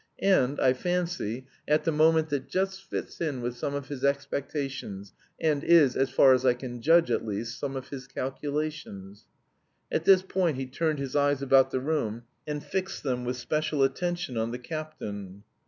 And I fancy, at the moment that just fits in with some of his expectations, and is far as I can judge, at least, some of his calculations." At this point he turned his eyes about the room and fixed them with special attention on the captain.